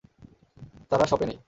তারা শপে নেই।